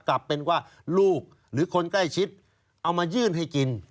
กลับเป็นว่าลูกหรือคนใกล้ชิดเอามายื่นให้กิน